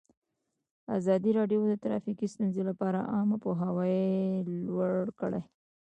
ازادي راډیو د ټرافیکي ستونزې لپاره عامه پوهاوي لوړ کړی.